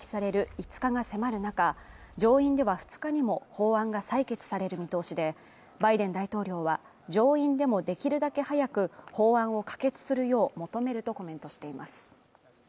５日が迫る中、上院では２日にも法案が採決される見通しで、バイデン大統領は、上院でもできるだけ早く法案を可決するよう求めるとコメントしています